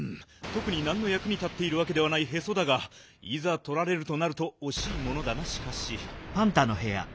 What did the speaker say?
とくになんのやくに立っているわけではないへそだがいざとられるとなるとおしいものだなしかし。